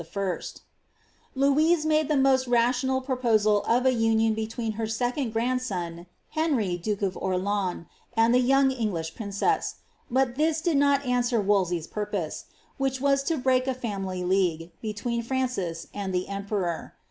'^ Louise made the more rational proposal of a union between her second grandson, Henry, duke of Orleans, and the young English prin cess ; but this did not answer Wolsey's purpose, which was to break a family league, between Francis and the emperor.